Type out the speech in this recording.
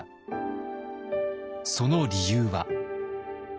その理由は。